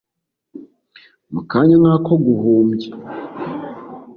mu kanya nk'ako guhumbya,